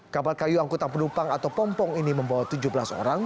kapal kayu angkutan penumpang atau pompong ini membawa tujuh belas orang